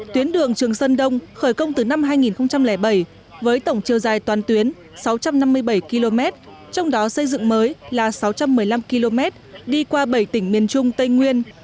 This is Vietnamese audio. tuyến đường trường sơn đông khởi công từ năm hai nghìn bảy với tổng chiều dài toàn tuyến sáu trăm năm mươi bảy km trong đó xây dựng mới là sáu trăm một mươi năm km đi qua bảy tỉnh miền trung tây nguyên